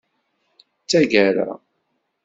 D tagara.